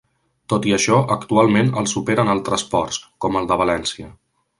Tot i això actualment el superen altres ports, com el de València.